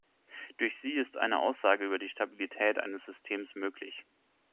Durch sie ist eine Aussage über die Stabilität eines Systems möglich.